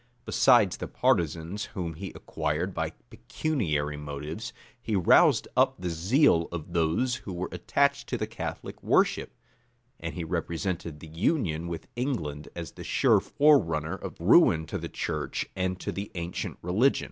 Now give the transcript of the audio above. [] Besides the partisans whom he acquired by pecuniary motives, he roused up the zeal of those who were attached to the Catholic worship; and he represented the union with England as the sure forerunner of ruin to the church and to the ancient religion.